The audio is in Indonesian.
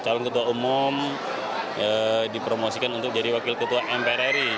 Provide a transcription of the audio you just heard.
calon ketua umum dipromosikan untuk jadi wakil ketua mprri